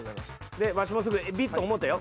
［でワシもすぐ「えび」と思うたよ。